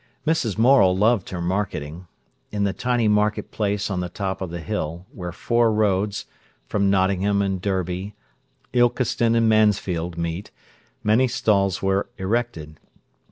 Mrs. Morel loved her marketing. In the tiny market place on the top of the hill, where four roads, from Nottingham and Derby, Ilkeston and Mansfield, meet, many stalls were erected.